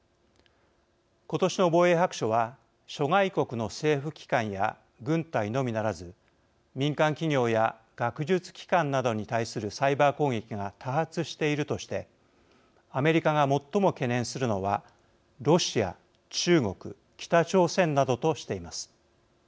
今年の防衛白書は諸外国の政府機関や軍隊のみならず民間企業や学術機関などに対するサイバー攻撃が多発しているとしてアメリカが最も懸念するのはロシア、中国北朝鮮などとしています。